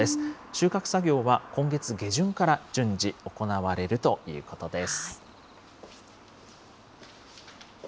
収穫作業は今月下旬から順次、行われるということです。